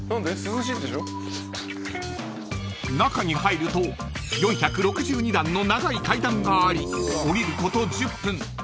［中に入ると４６２段の長い階段があり下りること１０分］